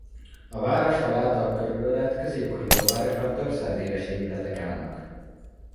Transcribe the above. A városfal által körülölelt középkori óvárosban több száz éves épületek állnak.